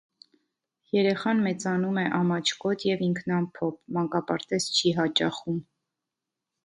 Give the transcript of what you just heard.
Երեխան մեծանում է ամաչկոտ և ինքնամփոփ, մանկապարտեզ չի հաճախում։